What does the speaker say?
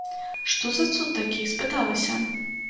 Што за цуд такі, спыталася.